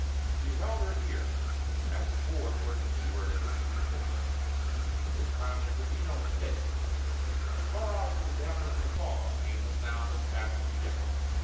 She held her ear as before towards seaward and listened intently. This time there could be no mistake; from far off through the dampness of the fog came the sound of a passing ship.